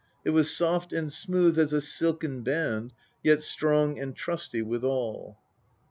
It was soft and smooth as a silken band, yet strong and trusty withal."